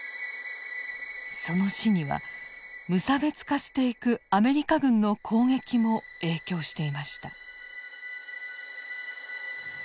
その死には無差別化していくアメリカ軍の攻撃も影響していました。